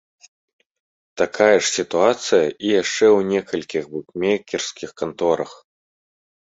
Такая ж сітуацыя і яшчэ ў некалькіх букмекерскіх канторах.